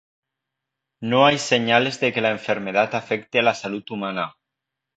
No hay señales de que la enfermedad afecte a la salud humana.